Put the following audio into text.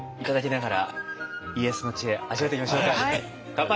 乾杯。